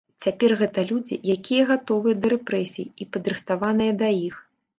Цяпер гэта людзі, якія гатовыя да рэпрэсій і падрыхтаваная да іх.